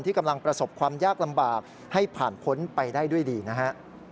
กำลังประสบความยากลำบากให้ผ่านพ้นไปได้ด้วยดีนะฮะ